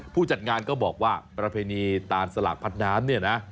ผู้จัดงานก็บอกว่าประเพณีตานสลากพัดน้ำเนี่ยนะ